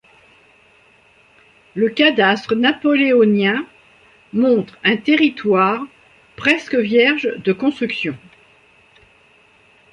Le cadastre napoléonien montre un territoire presque vierge de construction.